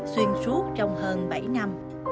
xuyên suốt trong hơn bảy năm